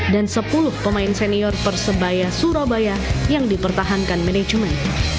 dan sepuluh pemain senior persebaya surabaya yang dipertahankan manajemen